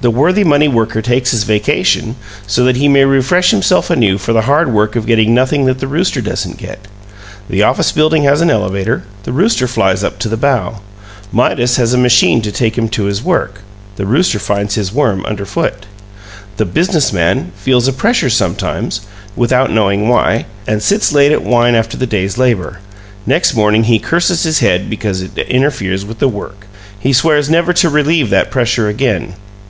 The worthy money worker takes his vacation so that he may refresh himself anew for the hard work of getting nothing that the rooster doesn't get. The office building has an elevator, the rooster flies up to the bough. Midas has a machine to take him to his work; the rooster finds his worm underfoot. The "business man" feels a pressure sometimes, without knowing why, and sits late at wine after the day's labor; next morning he curses his head because it interferes with the work he swears never to relieve that pressure again.